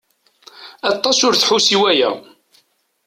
Aṭas aya ur tesḥus i waya.